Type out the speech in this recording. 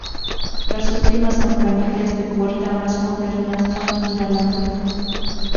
Las últimas campanillas de puerta más modernas son inalámbricas.